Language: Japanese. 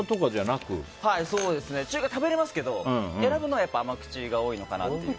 中辛食べれますけど選ぶのは甘口が多いのかなって。